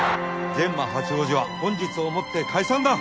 ジェンマ八王子は本日をもって解散だ